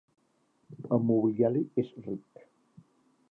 El mobiliari és ric.